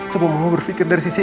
coba mama berfikir dari sisi andin